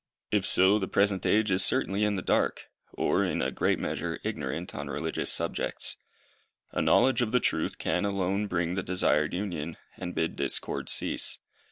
If so, the present age is certainly in the dark, or, in a great measure, ignorant on religious subjects. A knowledge of the Truth can alone bring the desired union, and bid discord cease.